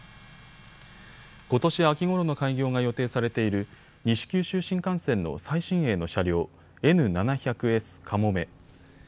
ことし秋ごろの開業が予定されている西九州新幹線の最新鋭の車両、Ｎ７００Ｓかもめ。